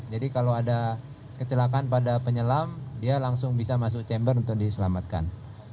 jadi kalau ada kecelakaan pada penyelam dia langsung bisa masuk chamber untuk diselamatkan